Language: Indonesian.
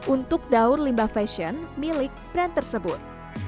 untuk daur limbah fashion milik brand tersebut